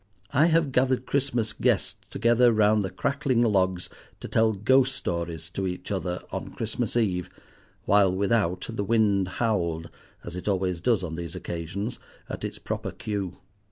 I have gathered Christmas guests together round the crackling logs to tell ghost stories to each other on Christmas Eve, while without the wind howled, as it always does on these occasions, at its proper cue.